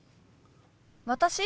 私？